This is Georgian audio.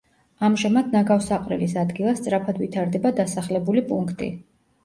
ამჟამად ნაგავსაყრელის ადგილას სწრაფად ვითარდება დასახლებული პუნქტი.